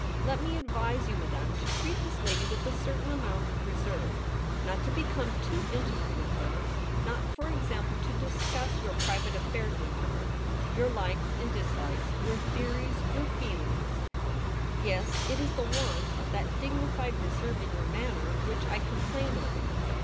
* Let me advise you, Madame, to treat this lady with a certain amount of reserve, not to become too intimate with her — not, for example, to discuss your private affairs with her, your likes and dislikes, your theories, your feelings. Yes, it is the want of that dignified reserve in your manner which I complain of.